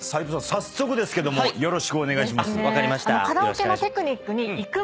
早速ですけどよろしくお願いします。